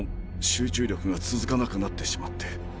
集中力が続かなくなってしまって。